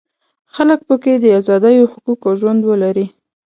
خلک په کې د ازادیو حقوق او ژوند ولري.